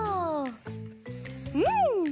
うん！